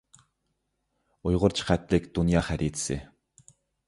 ئۇيغۇرچە خەتلىك دۇنيا خەرىتىسى.